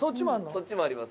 そっちもあります。